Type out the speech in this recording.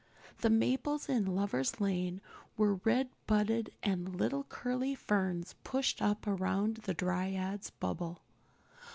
The maples in Lover's Lane were red budded and little curly ferns pushed up around the Dryad's Bubble.